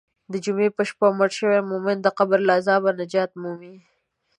د جمعې په شپه مړ شوی مؤمن د قبر له عذابه نجات مومي.